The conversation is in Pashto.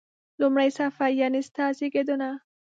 لومړی صفحه: یعنی ستا زیږېدنه.